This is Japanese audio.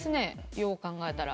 よう考えたら。